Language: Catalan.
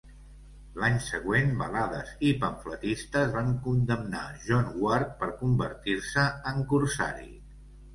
L'any següent balades i pamfletistes van condemnar John Ward per convertir-se en corsari.